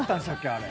あれ。